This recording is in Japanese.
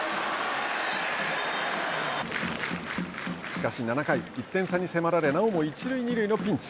しかし７回、１点差に迫られなおも一塁二塁のピンチ。